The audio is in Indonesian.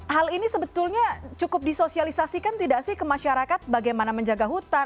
hal ini sebetulnya cukup disosialisasikan tidak sih ke masyarakat bagaimana menjaga hutan